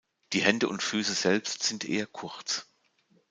Die Hände und Füße selbst sind eher kurz.